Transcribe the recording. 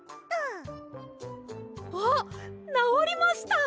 あっなおりました！